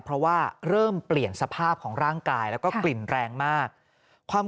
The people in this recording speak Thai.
เพราะว่าเริ่มเปลี่ยนสภาพของร่างกายแล้วก็กลิ่นแรงมากความ